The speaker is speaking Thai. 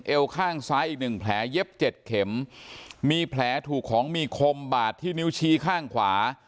เอวข้างซ้ายอีกหนึ่งแผลเย็บเจ็ดเข็มมีแผลถูกของมีคมบาดที่นิ้วชี้ข้างขวา